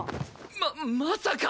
ままさか！